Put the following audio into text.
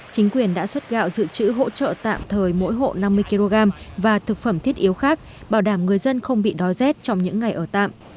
chính quyền đã xuất gạo dự trữ hỗ trợ tạm thời mỗi hộ năm mươi kg và thực phẩm thiết yếu khác bảo đảm người dân không bị đói rét trong những ngày ở tạm